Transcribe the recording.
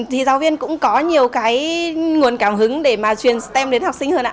thì giáo viên cũng có nhiều cái nguồn cảm hứng để mà truyền stem đến học sinh hơn ạ